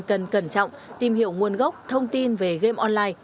cần cẩn trọng tìm hiểu nguồn gốc thông tin về game online